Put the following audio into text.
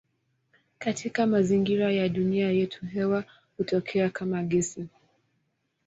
Katika mazingira ya dunia yetu hewa hutokea kama gesi.